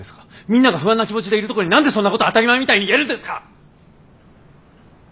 みんなが不安な気持ちでいるとこに何でそんなこと当たり前みたいに言えるんですか！